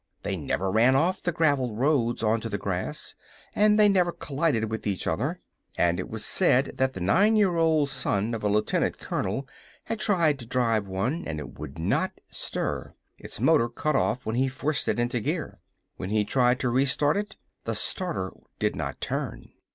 They never ran off the graveled roads onto the grass, and they never collided with each other, and it was said that the nine year old son of a lieutenant colonel had tried to drive one and it would not stir. Its motor cut off when he forced it into gear. When he tried to re start it, the starter did not turn.